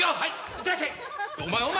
いってらっしゃい！